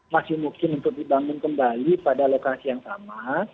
masih mungkin untuk dibangun kembali pada lokasi yang sama